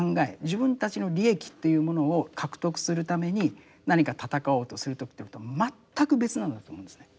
自分たちの利益というものを獲得するために何か闘おうとするということとは全く別なんだと思うんですね。